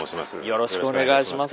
よろしくお願いします。